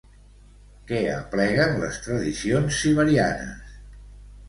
Què apleguen les tradicions siberianes?